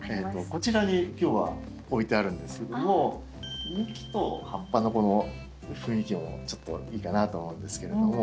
こちらに今日は置いてあるんですけども幹と葉っぱのこの雰囲気もちょっといいかなと思うんですけれども。